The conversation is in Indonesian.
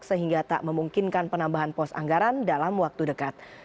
sehingga tak memungkinkan penambahan pos anggaran dalam waktu dekat